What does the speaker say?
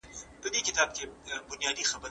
څېړنه یوازي د کتابتون کار نه دئ.